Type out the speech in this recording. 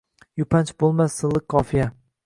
Yupanch boʼlmas silliq qofiya.